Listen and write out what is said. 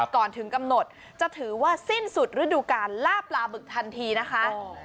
ก่อนถึงกำหนดจะถือว่าสิ้นสุดฤดูการล่าปลาบึกทันทีนะคะ